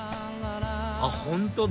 あっ本当だ！